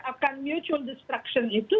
akan mutual destruction itu